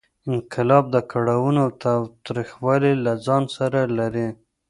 انقلاب کړاوونه او تاوتریخوالی له ځان سره لرلې.